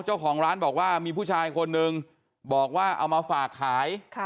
เจ้าของร้านบอกว่ามีผู้ชายคนนึงบอกว่าเอามาฝากขาย